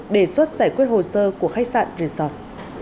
đề xuất giải quyết hồ sơ của khách sạn resort